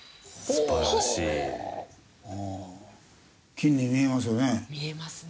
金に見えますよね。